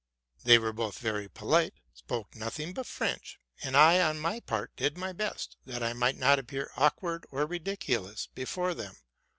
They were both very polite, spoke nothing but French; and I, on my part, did my best, that I might not appear awkward or ridiculous before them.